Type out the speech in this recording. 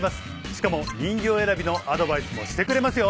しかも人形選びのアドバイスもしてくれますよ。